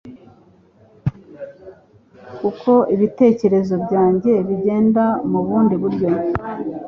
kuko ibitekerezo byanjye bigenda mu bundi buryo